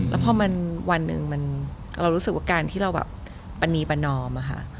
แล้วพอมันวันหนึ่งเรารู้สึกว่าการที่เราแบบปรณีประนอมอะค่ะ